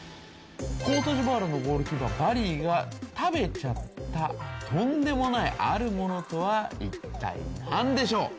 コートジボワールのゴールキーパー・バリーが食べちゃったとんでもないあるものとはいったい何でしょう。